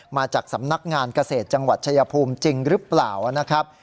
มาจากสำนักงานเกษตรจังหวัดชายภูมิจริงหรือเปล่านะครับ